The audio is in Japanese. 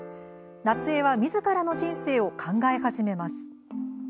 夏江はみずからの人生を考え始めます。